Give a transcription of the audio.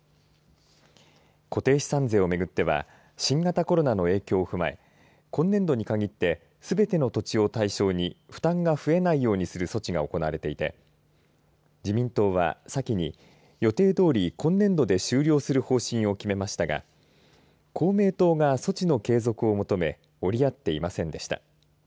固定資産税をめぐっては新型コロナの影響を踏まえ今年度にかぎってすべての土地を対象に負担が増えないようにする措置が行われていて自民党は先に予定どおり、今年度で終了する方針を決めましたが公明党が措置の継続を求め折り合っていませんでした。